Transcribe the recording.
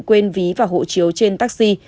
quên ví và hộ chiếu trên taxi